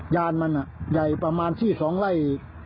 ยานมันใหญ่ประมาณ๔๒ไร่